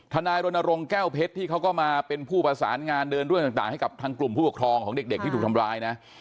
นายรณรงค์แก้วเพชรที่เขาก็มาเป็นผู้ประสานงานเดินเรื่องต่างให้กับทางกลุ่มผู้ปกครองของเด็กที่ถูกทำร้ายนะ